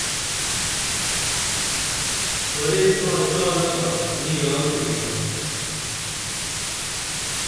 ورے ساں چالہ بہ نی یال ژوپیمہ